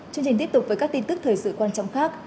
chương trình tiếp tục với các tin tức thời sự quan trọng khác